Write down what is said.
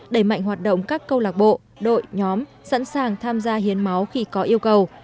đẩy mạnh hoạt động các câu lạc bộ đội nhóm sẵn sàng tham gia hiến máu khi có yêu cầu